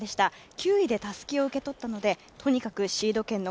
９位でたすきを受け取ったので、とにかくシード権の